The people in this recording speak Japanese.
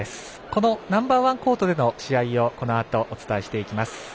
このＮＯ．１コートでの試合をこのあとお伝えしていきます。